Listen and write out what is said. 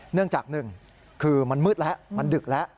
เนื่องจากหนึ่งคือมันมืดแล้วมันดึกแล้ว